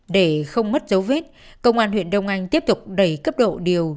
để không mất dấu vết công an huyện đông anh tiếp tục đẩy cấp độ điều